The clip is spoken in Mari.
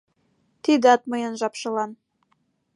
Тидат мыйын жапшылан